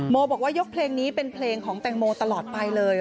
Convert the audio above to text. บอกว่ายกเพลงนี้เป็นเพลงของแตงโมตลอดไปเลย